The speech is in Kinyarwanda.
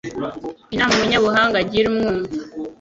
Inama umunyabuhanga agira umwumva